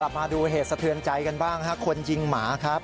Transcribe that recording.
มาดูเหตุสะเทือนใจกันบ้างฮะคนยิงหมาครับ